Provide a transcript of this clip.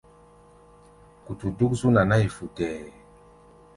Kutu dúk zú naná-yi futɛɛ.